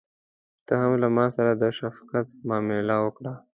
ته هم له ماسره د شفقت معامله وکړه.